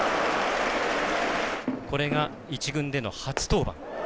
これが１軍での初登板。